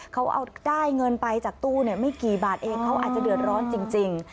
เขาเอาได้เงินไปจากตู้ไม่กี่บาทเองเขาอาจจะเดือดร้อนจริง